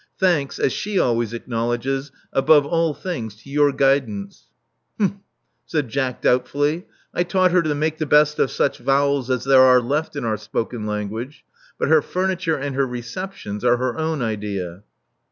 Thanks, as she always acknowledges, above all things to your guidance. Humph, said Jack doubtfully. ! taught her to make the best of such vowels as there are left in our spoken language ; but her furniture and her receptions are her own idea.